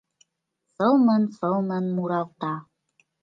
Сылнын-сылнын муралта.